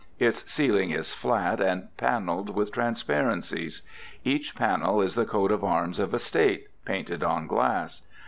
Its ceiling is flat, and panelled with transparencies. Each panel is the coat of arms of a State, painted on glass.